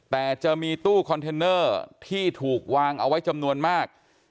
แต่จะมีตู้คอนเทนเนอร์ที่ถูกวางเอาไว้จำนวนมาก